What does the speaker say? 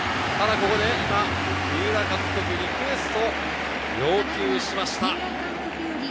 ここで今、三浦監督、リクエスト、要求しました。